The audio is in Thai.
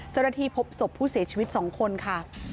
จ้าวนาทีพบศพผู้เสียชีวิตสองคนค่ะ